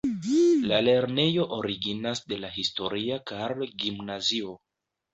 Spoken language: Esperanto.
La lernejo originas de la historia Karl-gimnazio.